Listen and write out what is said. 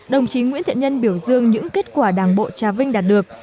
đồng chí nguyễn thiện nhân biểu dương những kết quả đảng bộ trà vinh đạt được